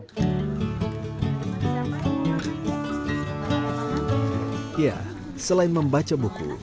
ya selain membaca buku di rumah baca ini pula setiap anak bisa mencoba